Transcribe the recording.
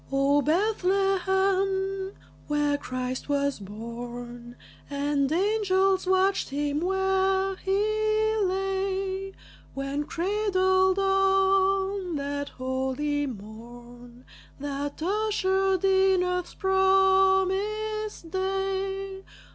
O Bethlehem, where Christ was born And angels watched him where he lay, When cradled on that holy morn That ushered in earth's promised day!